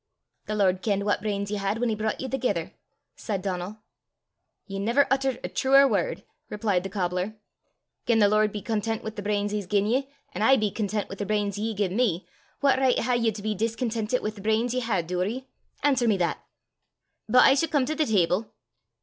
"The Lord kenned what brains ye had whan he broucht ye thegither," said Donal. "Ye never uttert a truer word," replied the cobbler. "Gien the Lord be content wi' the brains he's gien ye, an' I be content wi' the brains ye gie me, what richt hae ye to be discontentit wi' the brains ye hae, Doory? answer me that. But I s' come to the table.